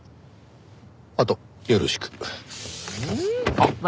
あとよろしく。はあ？